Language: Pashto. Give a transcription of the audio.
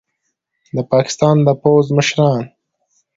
د پاکستان د پوځ مشران